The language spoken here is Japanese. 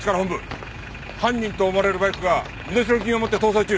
犯人と思われるバイクが身代金を持って逃走中。